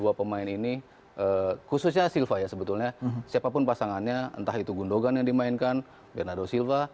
dua pemain ini khususnya silva ya sebetulnya siapapun pasangannya entah itu gundogan yang dimainkan bernardo silva